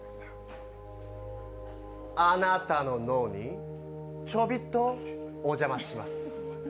あなたの脳にちょびっとお邪魔します。